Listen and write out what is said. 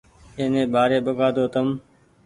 ايني ٻآري ٻگآۮو تم